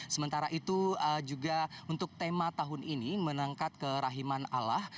sementara itu juga untuk tema tahun ini menangkat ke rahiman allah